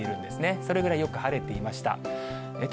それぐらいよく晴れていました。